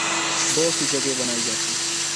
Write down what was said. بہت سی جگہیں بنائی جاتی